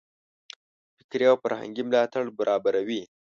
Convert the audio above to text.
فکري او فرهنګي ملاتړ برابروي.